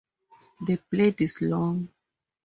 The blade is long.